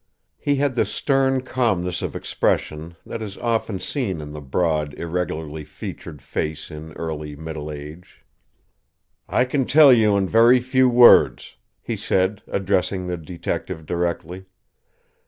He had the stern calmness of expression that is often seen in the broad, irregularly featured face in early middle age. "I can tell you in very few words," he said, addressing the detective directly.